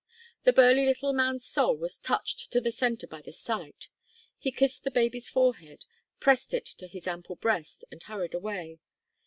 The burly little man's soul was touched to the centre by the sight. He kissed the baby's forehead, pressed it to his ample breast, and hurried away.